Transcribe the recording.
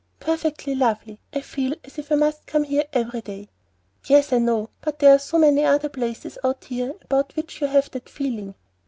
"Perfectly lovely; I feel as if I must come here every day." "Yes, I know; but there are so many other places out here about which you have that feeling."